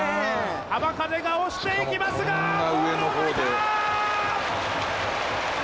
浜風が押していきますがポールを越えた！